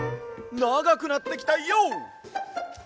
ながくなってきたＹＯ！